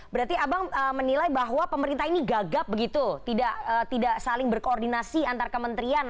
berarti abang menilai bahwa pemerintah ini gagap begitu tidak saling berkoordinasi antar kementerian